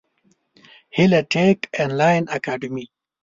هیله ټېک انلاین اکاډمي